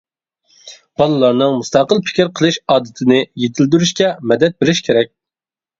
بالىلارنىڭ مۇستەقىل پىكىر قىلىش ئادىتىنى يېتىلدۈرۈشكە مەدەت بېرىش كېرەك.